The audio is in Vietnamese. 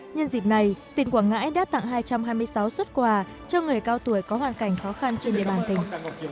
nhân dịp này tỉnh quảng ngãi đã tặng hai trăm hai mươi sáu xuất quà cho người cao tuổi có hoàn cảnh khó khăn trên địa bàn tỉnh